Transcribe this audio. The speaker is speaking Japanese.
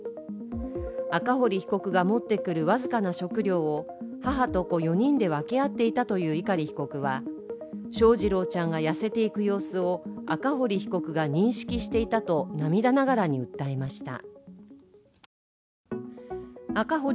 赤堀被告が持ってくる僅かな食料を母と子４人で分け合っていたという碇被告は翔士郎ちゃんが痩せていく様子を赤堀被告が認識していたと涙ながらに訴えました。